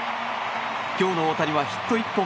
今日の大谷はヒット１本。